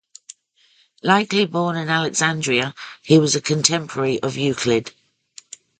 Likely born in Alexandria, he was a contemporary of Euclid.